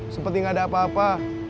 seperti nggak ada apa apa